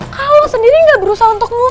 kalo sendiri gak berusaha untuk move on